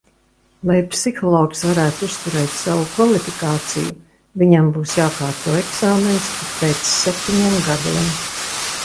Lai psihologs varētu uzturēt savu kvalifikāciju, viņam būs jākārto eksāmens ik pēc septiņiem gadiem.